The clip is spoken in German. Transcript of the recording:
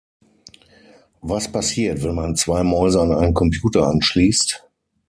Was passiert, wenn man zwei Mäuse an einen Computer anschließt?